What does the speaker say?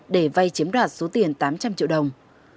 để vay chiếm đoạt số tiền tám trăm linh triệu đồng